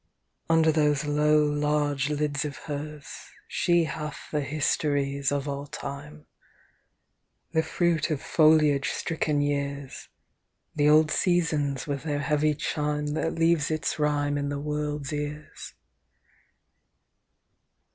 VIII Under those low large lids of hers She hath the histories of all time; The fruit of foliage stricken years; The old seasons with their heavy chime That leaves its rhyme in the world's ears.